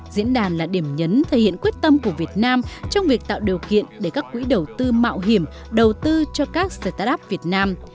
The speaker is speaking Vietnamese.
diễn đàn là điểm nhấn thể hiện quyết tâm của việt nam trong việc tạo điều kiện để các quỹ đầu tư mạo hiểm đầu tư cho các start up việt nam